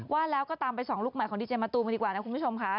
ว่าแล้วก็ตามไปสองลูกใหม่ของดีเจมะตูมกันดีกว่านะคุณผู้ชมค่ะ